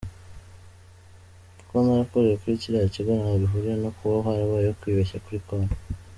Kuba ntarakoreye kuri kiriya kigo, ntaho bihuriye no kuba harabayeho kwibeshya kuri konti.